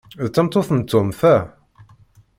D tameṭṭut n Tom, ta?